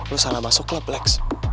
lu salah masuk klub lex